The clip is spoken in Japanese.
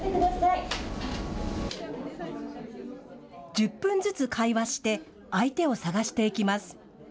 １０分ずつ会話して相手を探していきます。